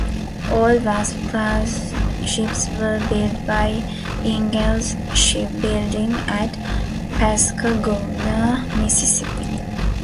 All "Wasp"-class ships were built by Ingalls Shipbuilding, at Pascagoula, Mississippi.